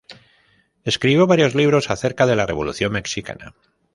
Escribió varios libros acerca de la Revolución mexicana.